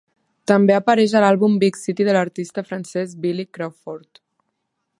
També apareix a l'àlbum "Big City" de l'artista francès Billy Crawford.